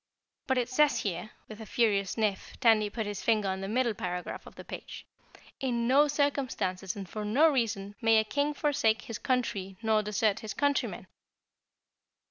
"But it says here," with a furious sniff Tandy put his finger on the middle paragraph of the page, "'In no circumstances and for no reason may a King forsake his country nor desert his countrymen.'"